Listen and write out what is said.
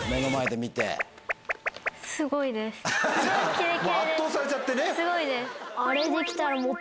もう圧倒されちゃってね。